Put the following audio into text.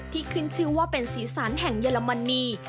ขึ้นชื่อว่าเป็นสีสันแห่งเยอรมนี